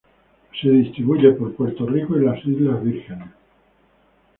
Se distribuye por Puerto Rico y las Islas Vírgenes.